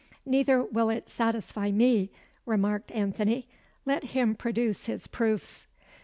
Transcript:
"Neither will it satisfy me," remarked Anthony. "Let him produce his proofs."